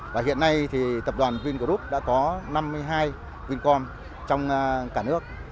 và hiện nay thì tập đoàn vingroup đã có năm mươi hai vincom trong cả nước